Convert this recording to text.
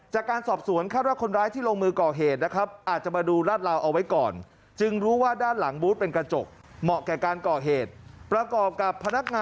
จากการสอบสวนคาดว่าคนร้ายที่ลงมือก่อเหตุนะครับ